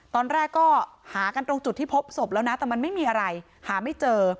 ตอนแรกก็หากันตรงจุดที่พบศพแล้วนะแต่มันไม่มีอะไรหาไม่เจอ